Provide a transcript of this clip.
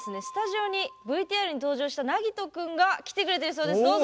スタジオにＶＴＲに登場したなぎと君が来てくれてるそうです。